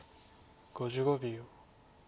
５５秒。